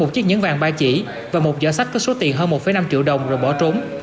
một chiếc nhẫn vàng ba chỉ và một giỏ sách với số tiền hơn một năm triệu đồng rồi bỏ trốn